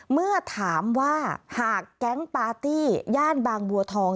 เมื่อถามว่าหากแก๊งปาร์ตี้ย่านบางบัวทอง